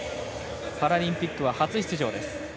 パラリンピックは初出場です。